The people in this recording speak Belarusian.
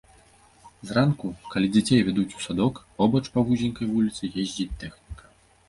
Зранку, калі дзяцей вядуць у садок, побач па вузенькай вуліцы ездзіць тэхніка.